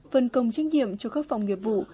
phần công trách nhiệm cho các phòng nghiệp vụ